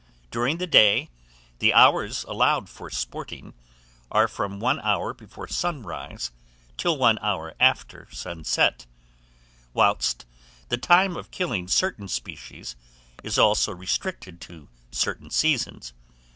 During the day, the hours allowed for sporting are from one hour before sunrise till one hour after sunset; whilst the time of killing certain species is also restricted to certain seasons.